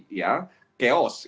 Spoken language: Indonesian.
ini akan berpotensi